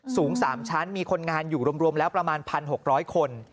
สูง๓ชั้นมีคนงานอยู่รวมแล้วประมาณ๑๖๐๐คน